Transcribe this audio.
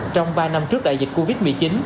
trong ba năm trước đại dịch covid một mươi chín